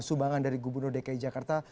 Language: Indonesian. sumbangan dari gubernur dki jakarta